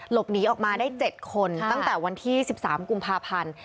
หลบหนีออกมาได้๗คนตั้งแต่วันที่๑๓กุมภาพันธ์